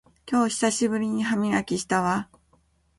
今日久しぶりに歯磨きしたわ